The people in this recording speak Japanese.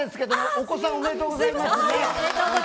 お子さんおめでとうございます。